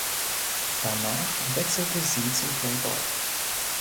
Danach wechselte sie zum Playboy.